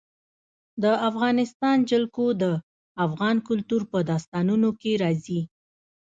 د افغانستان جلکو د افغان کلتور په داستانونو کې راځي.